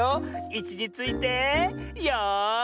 いちについてよい。